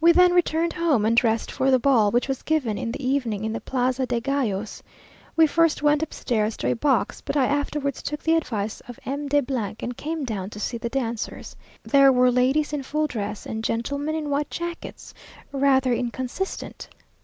We then returned home and dressed for the ball, which was given in the evening in the plaza de gallos. We first went upstairs to a box, but I afterwards took the advice of M. de and came down to see the dancers. There were ladies in full dress, and gentlemen in white jackets rather inconsistent.